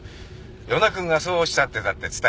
与那君がそうおっしゃってたって伝えときます。